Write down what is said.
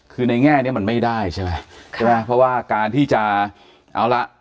คือในแง่นี้มันไม่ได้ใช่ไหมใช่ไหมเพราะว่าการที่จะเอาละ